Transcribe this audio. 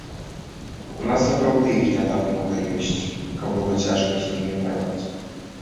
У нас сапраўды іх не так многа ёсць, каб цяжка было з імі парваць.